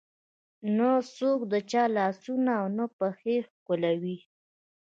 نه څوک د چا لاسونه او نه پښې ښکلوي.